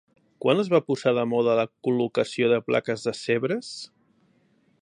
Quan es va posar de moda la col·locació de plaques de Sèvres?